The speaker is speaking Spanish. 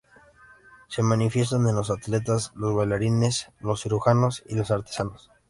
Se manifiesta en los atletas, los bailarines, los cirujanos y los artesanos.